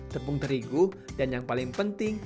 tepung terigu dan yang paling penting